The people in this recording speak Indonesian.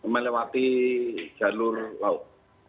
melewati jalur laut